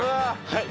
はい。